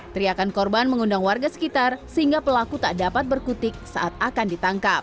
teriakan korban mengundang warga sekitar sehingga pelaku tak dapat berkutik saat akan ditangkap